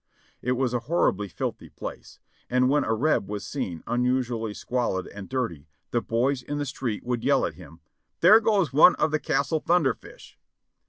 It was a horribly filthy place, and when a Reb was seen unusually squalid and dirty the boys in the street would yell at him. "There goes one of the Castle Thunder fish!"